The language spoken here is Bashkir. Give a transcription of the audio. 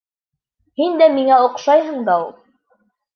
Һин дә миңә оҡшайһың да ул...